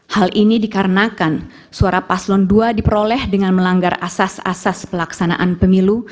hal ini dikarenakan suara paslon dua diperoleh dengan melanggar asas asas pelaksanaan pemilu